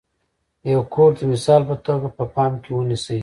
یو کوټ د مثال په توګه په پام کې ونیسئ.